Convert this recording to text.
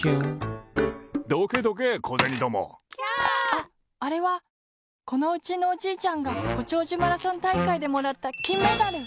ああれはこのうちのおじいちゃんがごちょうじゅマラソンたいかいでもらったきんメダル！